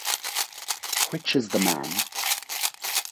Which is the Man?